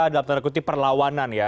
dalam tanda kutip perlawanan ya